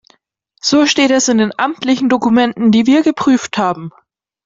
So steht es in den amtlichen Dokumenten, die wir geprüft haben.